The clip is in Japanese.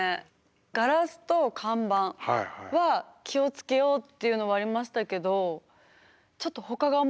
ガラスと看板は気を付けようっていうのはありましたけどちょっとほかがあまり考え。